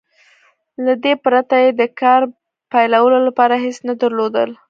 له دې پرته يې د کار پيلولو لپاره هېڅ نه درلودل.